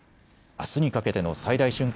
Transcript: あすにかけての最大瞬間